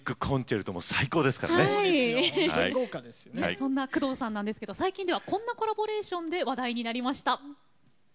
そんな工藤さんなんですけど最近ではこんなコラボレーションで話題になりました。